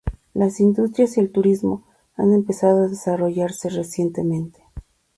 Las industrias y el turismo han empezado a desarrollarse recientemente.